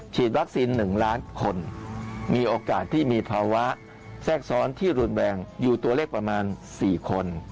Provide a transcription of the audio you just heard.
ฉีดวัคซีน๑ล้านคนมีโอกาสที่มีภาวะแทรกซ้อนที่รุนแรงอยู่ตัวเลขประมาณ๔คน